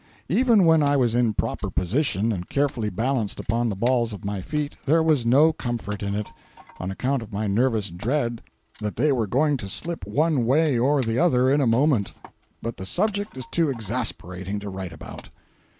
Even when I was in proper position and carefully balanced upon the balls of my feet, there was no comfort in it, on account of my nervous dread that they were going to slip one way or the other in a moment. But the subject is too exasperating to write about.